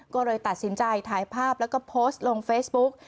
ก็เลยตัดสินใจถ่ายภาพแล้วก็โพสต์ลงเฟซบุ๊ก